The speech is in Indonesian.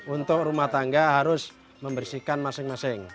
untuk rumah tangga harus membersihkan masing masing